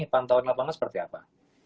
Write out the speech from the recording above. pantauan lapangan seperti apa